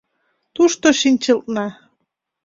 Тушто шинчылтна...